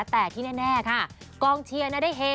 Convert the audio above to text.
แต่ที่แน่ค่ะกองเชียร์ได้เฮ